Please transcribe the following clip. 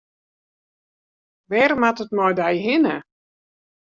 Wêr moat it mei dy hinne?